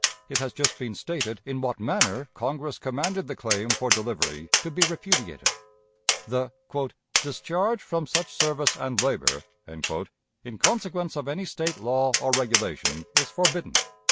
It has just been stated in what manner Congress commanded the claim for delivery to be repudiated. The "discharge from such service and labor," in consequence of any State law or regulation, is forbidden.